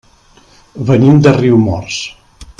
Venim de Riumors.